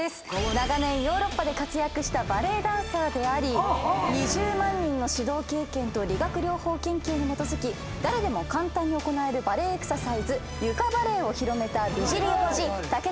長年ヨーロッパで活躍したバレエダンサーであり２０万人の指導経験と理学療法研究に基づき誰でも簡単に行えるバレエエクササイズ床バレエを広めた美尻王子竹田純先生。